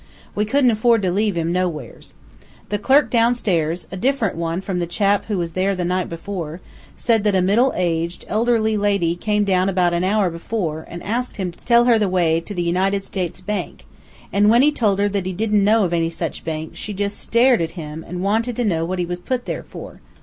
We couldn't afford to leave him nowheres. The clerk down stairs a different one from the chap who was there the night before said that a middle aged, elderly lady came down about an hour before an' asked him to tell her the way to the United States Bank, an' when he told her he didn't know of any such bank, she jus' stared at him, an' wanted to know what he was put there for.